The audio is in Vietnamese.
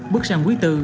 bước sang quý bốn